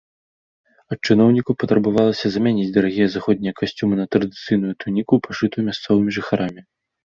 Ад чыноўнікаў патрабавалася замяніць дарагія заходнія касцюмы на традыцыйную туніку, пашытую мясцовымі жыхарамі.